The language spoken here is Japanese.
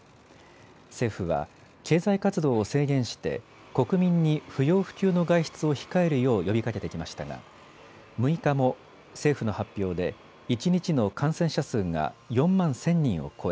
政府は経済活動を制限して国民に不要不急の外出を控えるよう呼びかけてきましたが６日も政府の発表で一日の感染者数が４万１０００人を超え